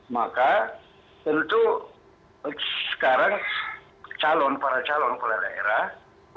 maka tentu sekarang calon para calon kepala daerah